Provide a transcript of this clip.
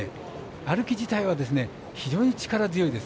歩き自体は非常に力強いです。